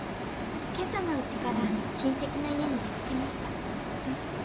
今朝のうちから親戚の家に出かけました。